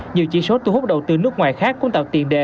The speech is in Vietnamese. nhiều chỉ số thu hút đầu tư nước ngoài khác cũng tạo tiền đề